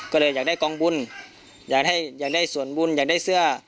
ก็เลยอยากได้กองบุญอยากได้ส่วนบุญอยากได้เสื้อ